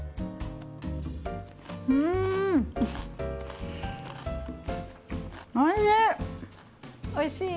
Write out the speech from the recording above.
うんおいしい！